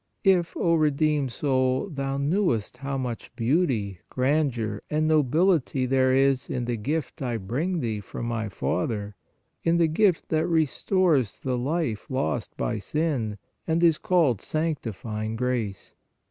"If, O redeemed soul, thou knewest how much beauty, grandeur and nobility there is in the gift I bring thee from My Father, in the gift that restores the life lost by sin, and is called sanctifying grace!